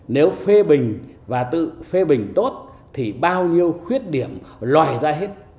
nếu phê bình và tự phê bình tốt thì bao nhiêu khuyết điểm loài ra hết